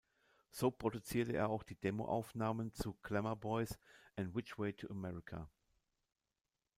So produzierte er auch die Demoaufnahmen zu "Glamour Boys" und "Which Way to America?